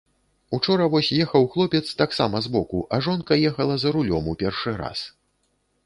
Учора вось ехаў хлопец таксама збоку, а жонка ехала за рулём у першы раз.